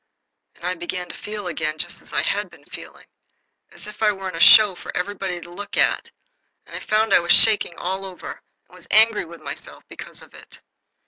And I began to feel again just as I had been feeling, as if I were in a show for everybody to look at, and I found I was shaking all over, and was angry with myself because of it.